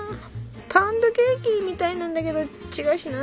パウンドケーキみたいなんだけど違うしな。